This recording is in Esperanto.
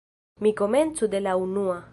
Mi komencu de la unua.